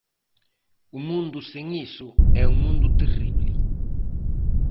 O mundo sen iso é un mundo terrible.